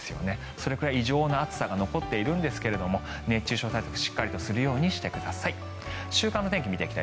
それくらい異常な暑さが残っているんですが熱中症対策をしっかりするようにしてください。